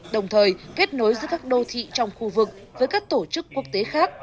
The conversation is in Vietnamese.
đồng thời kết nối giữa các đô thị trong khu vực với các tổ chức quốc tế khác